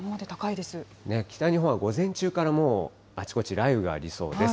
北日本は午前中からもうあちこち雷雨がありそうです。